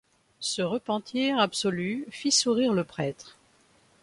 Ce repentir absolu fit sourire le prêtre.